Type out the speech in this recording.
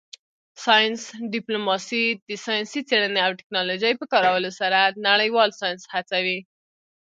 ساینس ډیپلوماسي د ساینسي څیړنې او ټیکنالوژۍ په کارولو سره نړیوال ساینس هڅوي